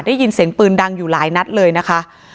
ได้ยินเสียงปืนดังอยู่หลายนัดเลยนะคะ